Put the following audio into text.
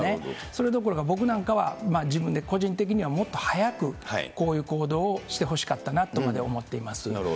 それどころか、僕なんかは自分で個人的にはもっと早くこういう行動をしてほしかったなとまで思っています。